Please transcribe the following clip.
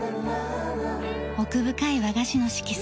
奥深い和菓子の色彩。